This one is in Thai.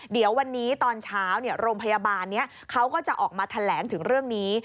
เดี๋ยววันนี้ตอนเช้าโรงพยาบาลนี้เขาก็จะออกมาแถลงถึงเรื่องนี้